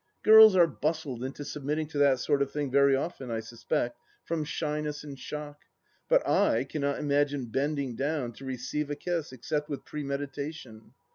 Girls are bustled into submitting to that sort of thing very often, I suspect, from shyness and shock; but I cannot imagine bending down to receive a kiss except with premeditation.